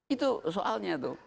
itu soalnya tuh